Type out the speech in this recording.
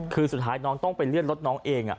คือสุดท้ายน้องต้องไปเลื่อนรถน้องเอง